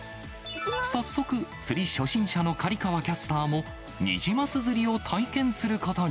早速、釣り初心者の刈川キャスターも、ニジマス釣りを体験することに。